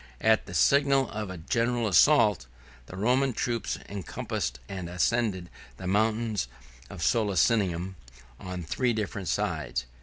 At the signal of the general assault, the Roman troops encompassed and ascended the mountain of Solicinium on three different sides.